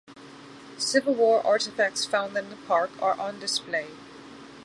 Civil War artifacts found in the park are on display.